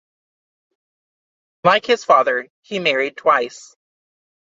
Like his father, he married twice.